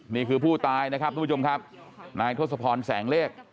นี่คือผู้ตายนะครับทุกผู้ชมครับนายทศพรแสงเลข